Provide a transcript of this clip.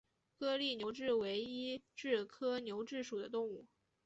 颗粒牛蛭为医蛭科牛蛭属的动物。